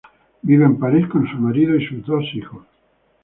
Vive en París con su marido y sus dos hijos.